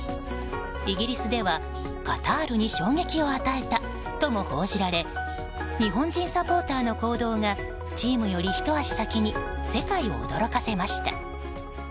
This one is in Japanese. イギリスでは、カタールに衝撃を与えたとも報じられ日本人サポーターの行動がチームよりひと足先に世界を驚かせました。